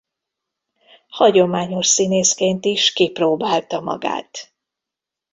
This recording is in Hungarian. Hagyományos színészként is kipróbálta magát.